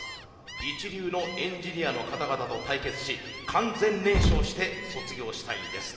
一流のエンジニアの方々と対決し完全燃焼して卒業したいんです。